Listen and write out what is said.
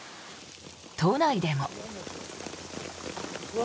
都内でも。